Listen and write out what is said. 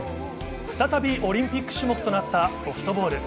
再びオリンピック種目となったソフトボール。